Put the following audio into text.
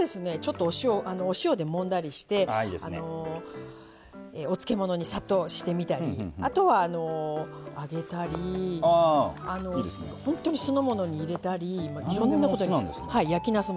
お塩でもんだりしてお漬物に、さっとしてみたりあとは揚げたり本当に酢の物に入れたりいろんなことをやります。